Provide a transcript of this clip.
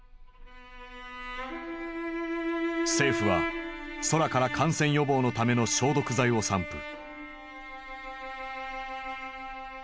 政府は空から感染予防のための消毒剤を散布。